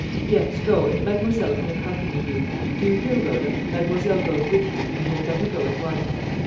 "Yes; go, and mademoiselle can accompany you. Do you hear, Rhoda, mademoiselle goes with you, and you had better go at once."